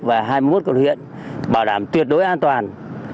và hai mươi một quận huyện bảo đảm tuyệt đối an toàn